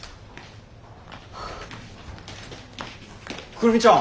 久留美ちゃん。